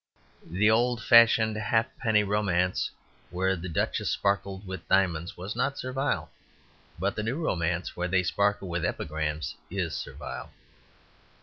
The old fashioned halfpenny romance where the duchesses sparkled with diamonds was not servile; but the new romance where they sparkle with epigrams is servile.